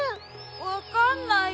わかんないよ。